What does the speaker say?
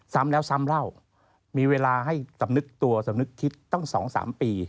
ซ้ำแล้วซ้ำเล่ามีเวลาให้สำนึกตัวสำนึกคิดตั้ง๒๓ปี